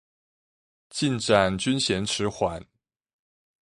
進展均嫌遲緩